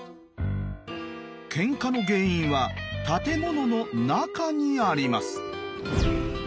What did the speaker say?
けんかの原因は建物の中にあります。